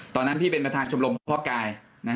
ตอนนั้นพี่เป็นประธานชมรมคุณพ่อกาย